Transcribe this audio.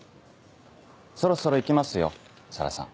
そろそろ行きますよ紗良さん。